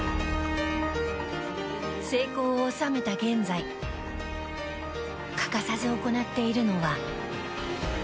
成功を収めた現在欠かさず行っているのは。